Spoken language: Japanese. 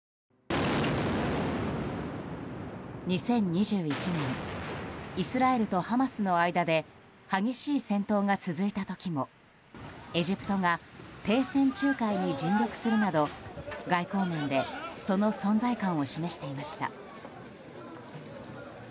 ２０２１年イスラエルとハマスの間で激しい戦闘が続いた時もエジプトが停戦仲介に尽力するなど外交面でその存在感を示していました。